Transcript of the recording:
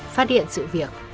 phát điện sự việc